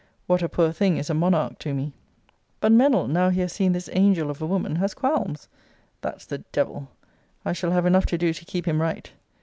What a poor thing is a monarch to me! But Mennell, now he has seen this angel of a woman, has qualms; that's the devil! I shall have enough to do to keep him right.